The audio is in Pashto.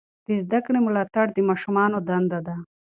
د زده کړې ملاتړ د ماشومانو دنده ده.